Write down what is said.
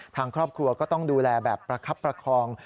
ทางครอบครัวก็ต้องดูแลแบบประคับประคอง